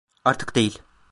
Artık değil.